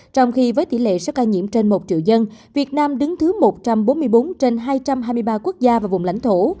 trong khi với tỷ lệ số ca nhiễm trên một triệu dân việt nam đứng thứ một trăm bốn mươi bốn trên hai trăm hai mươi ba quốc gia và vùng lãnh thổ